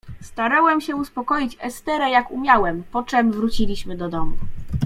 "Starałem się uspokoić Esterę, jak umiałem, poczem wróciliśmy do domu."